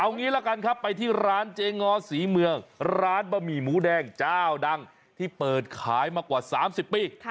เอางี้ละกันครับไปที่ร้านเจงอศรีเมืองร้านบะหมี่หมูแดงเจ้าดังที่เปิดขายมากว่า๓๐ปี